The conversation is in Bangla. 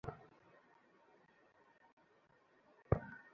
কম্পাস কি কাজ করছে?